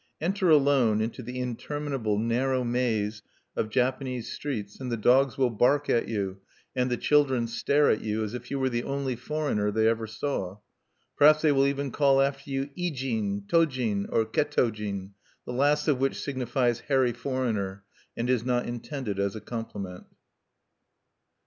Enter alone into the interminable narrow maze of Japanese streets, and the dogs will bark at you, and the children stare at you as if you were the only foreigner they ever saw. Perhaps they will even call after you "Ijin," "Tojin," or "Ke tojin," the last of which signifies "hairy foreigner," and is not intended as a compliment.